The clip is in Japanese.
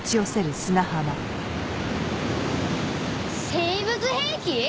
生物兵器？